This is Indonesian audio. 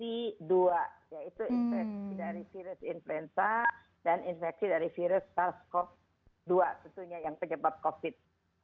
infeksi dua yaitu infeksi dari virus influenza dan infeksi dari virus sars cov dua tentunya yang terjebak covid sembilan belas